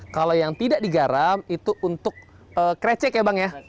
kalau yang tidak digarap itu untuk krecek ya bang ya